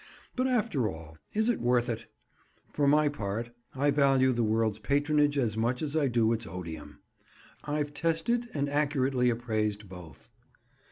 But after all, is it worth it? For my part, I value the world's patronage as much as I do its odium. I've tested and accurately appraised both!